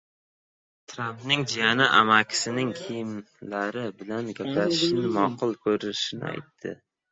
Trampning jiyani amakisining kimlar bilan gaplashishni ma’qul ko‘rishini aytdi